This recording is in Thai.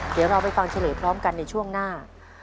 เดี๋ยวเราไปฟังเฉลยพร้อมกันในช่วงหน้า